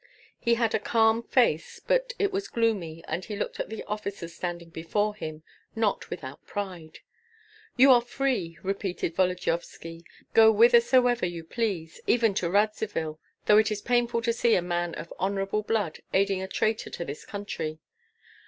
He had a calm face; but it was gloomy, and he looked at the officers standing before him, not without pride. "You are free!" repeated Volodyovski; "go whithersoever you please, even to Radzivill, though it is painful to see a man of honorable blood aiding a traitor to his country."